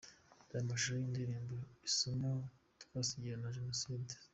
Reba amashusho y’indirimbo “Isomo Twasigiwe na Jenoside” .